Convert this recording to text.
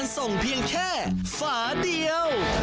ส่งฝาเดียวครับ